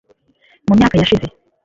Mu myaka yashize